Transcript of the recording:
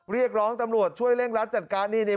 เรียกร้องตำรวจช่วยเร่งรัดจัดการนี่